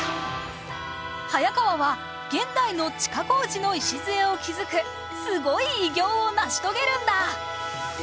早川は現代の地下工事の礎を築くすごい偉業を成し遂げるんだ！